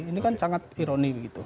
ini kan sangat ironi begitu